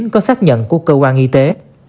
có xác nhận của cơ quan y tế